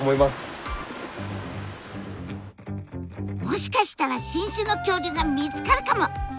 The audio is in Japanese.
もしかしたら新種の恐竜が見つかるかも！